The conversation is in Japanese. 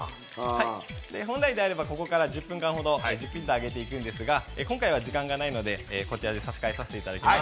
本来であればここから１０分間ほどじっくりと揚げていくんですが今回は時間がないので、こちらに差し替えさせていただきます。